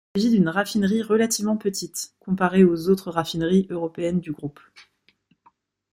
Il s'agit d'une raffinerie relativement petite, comparée aux autres raffineries européennes du groupe.